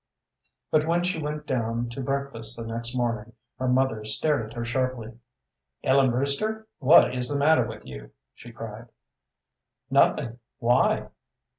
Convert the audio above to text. But when she went down to breakfast the next morning her mother stared at her sharply. "Ellen Brewster, what is the matter with you?" she cried. "Nothing. Why?"